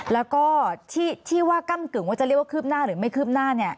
แล้วก็ที่ว่าก้ำกึ่งว่าจะเรียกว่าคืบหน้าหรือไม่คืบหน้าเนี่ย